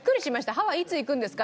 「ハワイいつ行くんですか？」